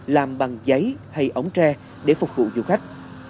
làm bằng giấy hay ống tre để phục vụ du khách